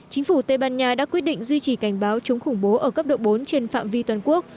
chính phủ tây ban nha đã quyết định duy trì cảnh báo chống khủng bố ở cấp độ bốn trên phạm vi toàn quốc